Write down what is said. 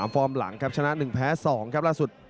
ฟอร์มหลังครับชนะ๑แพ้๒ครับล่าสุด